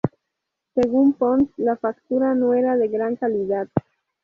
Según Ponz, la factura no era de gran calidad.